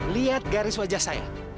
lihat garis wajah saya